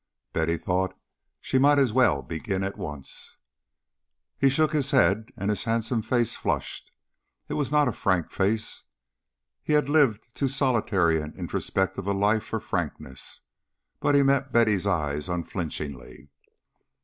Betty thought she might as well begin at once. He shook his head, and his handsome face flushed. It was not a frank face; he had lived too solitary and introspective a life for frankness; but he met Betty's eyes unflinchingly.